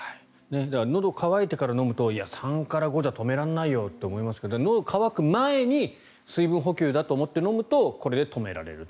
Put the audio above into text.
だからのどが渇いてから飲むと３から５じゃ止められないよって思いますけどのどが渇く前に水分補給だと思って飲むとこれで止められる。